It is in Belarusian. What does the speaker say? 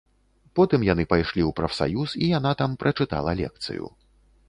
Потым яны пайшлі ў прафсаюз, і яна там прачытала лекцыю.